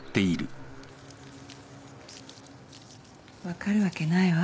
分かるわけないわ。